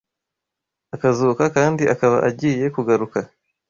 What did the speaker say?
akazuka kandi akaba agiye kugaruka